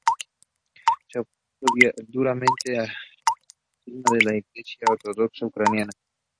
Se opuso duramente al cisma de la iglesia ortodoxa ucraniana.